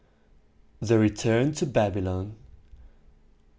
THE RETURN TO BABYLON.